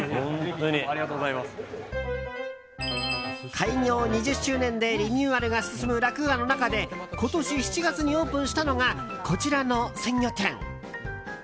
開業２０周年でリニューアルが進むラクーアの中で今年７月にオープンしたのがこちらの鮮魚店。